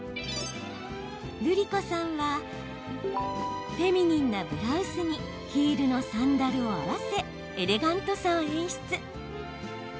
るりこさんはフェミニンなブラウスにヒールのサンダルを合わせエレガントさを演出。